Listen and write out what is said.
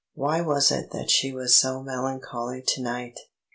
Why was it that she was so melancholy to night?